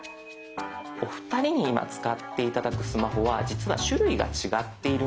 お二人に今使って頂くスマホは実は種類が違っているんです。